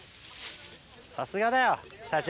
さすがだよ、社長。